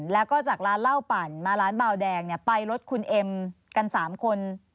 แล้วก็จากร้านเหล้าปั่นมาร้านเบาแดงไปรถคุณเอ็มกัน๓คน